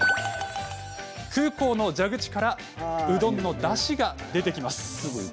空港の蛇口からうどんのだしが出てきます。